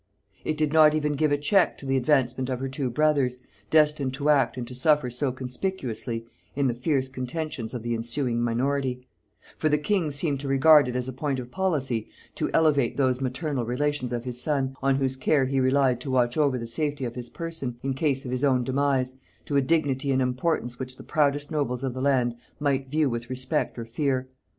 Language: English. It did not even give a check to the advancement of her two brothers, destined to act and to suffer so conspicuously in the fierce contentions of the ensuing minority; for the king seemed to regard it as a point of policy to elevate those maternal relations of his son, on whose care he relied to watch over the safety of his person in case of his own demise, to a dignity and importance which the proudest nobles of the land might view with respect or fear.